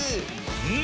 うん！